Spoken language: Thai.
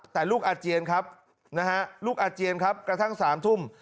แต่ลูกอาเจียนครับกระทั่งสามทุ่ม